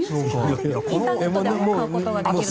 インターネットで買うことができると。